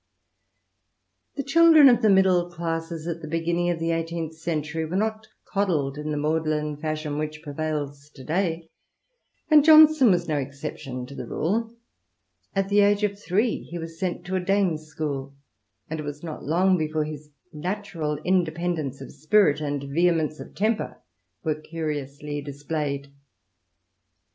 The children of the middle classes at the beginning of the Eighteenth Century were not coddled in the maudlin fashion which prevails to day, and Johnson was no exception to the rule At the age of three he was sent to a dame's school, and it was not long before his natural independence of spirit and vehemence of temper were curiously displayed.